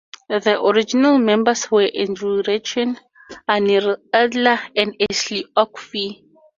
The original members were Andrew Ratshin, Arni Adler, and Ashley O'Keeffe.